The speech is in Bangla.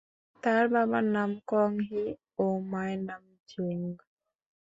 তার বাবার নাম কং হি ও মায়ের নাম হান ঝেঙ।